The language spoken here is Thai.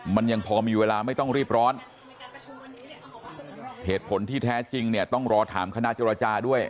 มันยังพอมีเวลาไม่ต้องรีบร้อนเหตุผลที่แท้จริงเนี่ยต้องรอถามคณะเจรจาด้วย